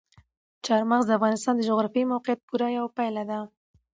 چار مغز د افغانستان د جغرافیایي موقیعت پوره یوه پایله ده.